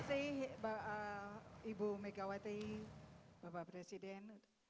terima kasih ibu megawati bapak presiden